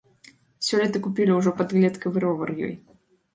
Сёлета купілі ўжо падлеткавы ровар ёй.